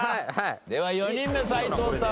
では４人目斎藤さん